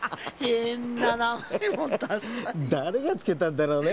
だれがつけたんだろうね。